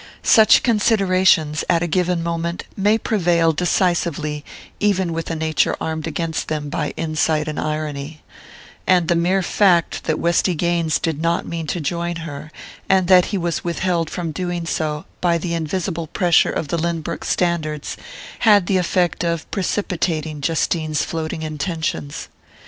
Such considerations, at a given moment, may prevail decisively even with a nature armed against them by insight and irony; and the mere fact that Westy Gaines did not mean to join her, and that he was withheld from doing so by the invisible pressure of the Lynbrook standards, had the effect of precipitating Justine's floating intentions.